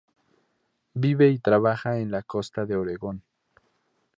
Vive y trabaja en la Costa de Oregon.